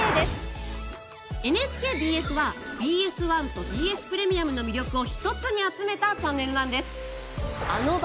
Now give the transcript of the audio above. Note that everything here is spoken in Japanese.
ＮＨＫＢＳはＢＳ１とＢＳプレミアムの魅力を一つに集めたチャンネルなんです。